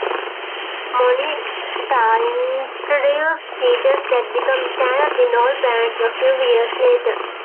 Minolta introduced features that became standard in all brands a few years later.